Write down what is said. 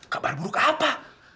kabar buruk apa